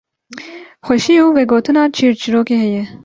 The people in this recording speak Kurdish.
xweşî û vegotina çîrçîrokê heye